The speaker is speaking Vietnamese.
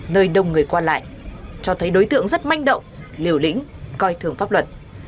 nơi đông người qua lại cho thấy đối tượng rất manh động liều lĩnh coi thường pháp luật